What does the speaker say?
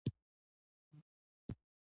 د وربشو اوبه د پښتورګو لپاره ښې دي.